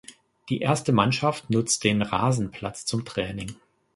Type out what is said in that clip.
Die erste Mannschaft nutzt den Rasenplatz zum Training.